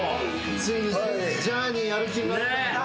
ついにジャーニーやる気になった。